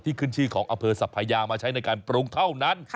ขึ้นชื่อของอำเภอสัพพยามาใช้ในการปรุงเท่านั้น